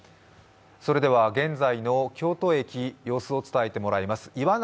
現在の京都駅、様子を伝えてもらいます。